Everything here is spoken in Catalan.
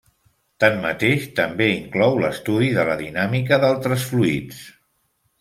Tanmateix, també inclou l'estudi de la dinàmica d'altres fluids.